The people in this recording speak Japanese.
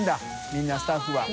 みんなスタッフは。